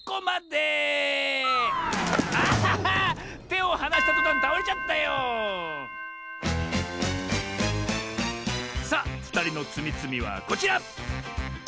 てをはなしたとたんたおれちゃったよさあふたりのつみつみはこちら！